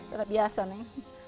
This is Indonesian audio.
sudah biasa nih